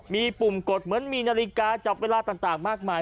มีปุ่มกดเหมือนมีนาฬิกาจับเวลาต่างมากมาย